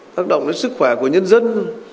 tác động đến sức khỏe của nhân dân